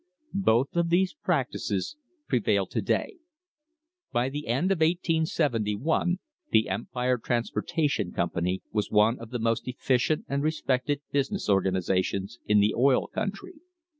Both of these practices prevail to day. By the end of 1871 the Empire Transportation Company was one of the most efficient and respected business organisations in the oil country.